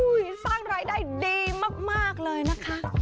สร้างรายได้ดีมากเลยนะคะ